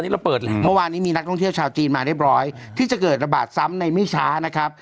เราเปิดแล้วเมื่อวานนี้มีนักท่องเที่ยวชาวจีนมาเรียบร้อยที่จะเกิดระบาดซ้ำในไม่ช้านะครับ